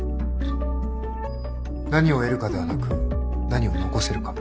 何を得るかではなく何を残せるか。